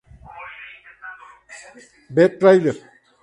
Ver trailer